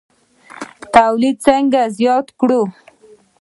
تولید څنګه زیات کړو؟